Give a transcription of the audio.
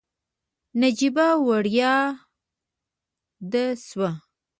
نجيبه ورياده شوه.